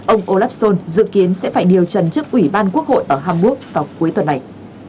ông olafsson dự kiến sẽ phải điều trần trước ủy ban quốc hội ở hàn quốc vào cuối tuần này